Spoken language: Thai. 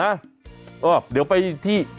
จัดกระบวนพร้อมกัน